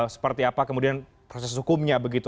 seperti apa kemudian proses hukumnya begitu